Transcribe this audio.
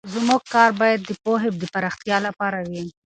زموږ کار باید د پوهې د پراختیا لپاره وي.